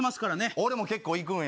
俺も結構行くんよ。